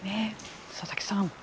佐々木さん